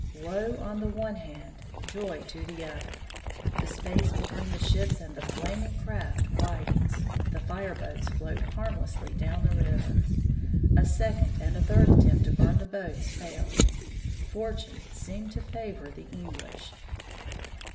Woe on the one hand, joy on the other! the space between the ships and the flaming craft widens the fireboats float harmlessly down the river. A second and a third attempt to burn the boats failed. Fortune seemed to favor the English.